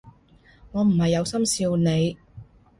我唔係有心笑你